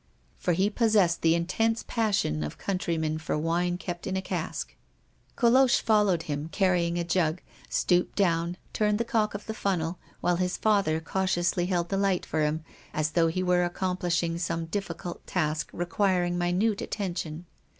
For he possessed the intense passion of countrymen for wine kept in a cask. Colosse followed him, carrying a jug, stooped down, turned the cock of the funnel, while his father cautiously held the light for him, as though he were accomplishing some difficult task requiring minute attention.